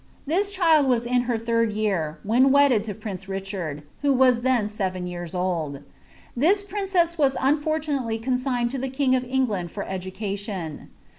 This child was in bet tliiri year when wedded to prince Richard, who wm then acveo years old. The liide princess was unfortunately consigned to the king of England for education.